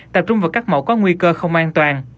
tập trung vào các mẫu có nguy cơ không an toàn